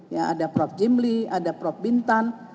ya ada prof jimli ada prof bintan